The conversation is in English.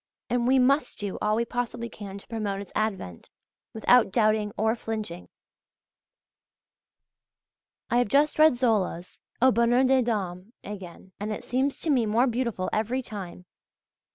And we must do all we possibly can to promote its advent, without doubting or flinching. I have just read Zola's "Au Bonheur des Dames" again; and it seems to me more beautiful every time.